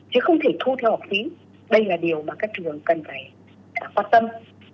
chứ không thể thu theo học phí đây là điều mà các trường cần phải quan tâm